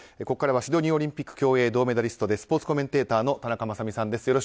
ここからはシドニーオリンピック競泳銅メダリストでスポーツコメンテーターの田中雅美さんです。